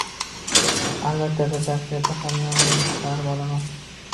Albatta. Bir daqiqada hamyonimdan chiqarib olaman.